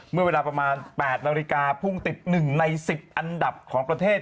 เมื่อเวลาประมาณ๘นาฬิกาพุ่งติด๑ใน๑๐อันดับของประเทศ